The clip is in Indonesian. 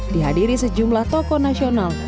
dihadiri sejumlah tokoh nasional